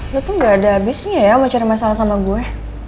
ya tuh gak ada habisnya ya mau cari masalah sama gue